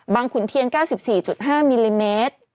ขุนเทียน๙๔๕มิลลิเมตร